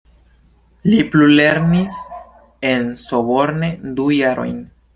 Li plulernis en Sorbonne du jarojn.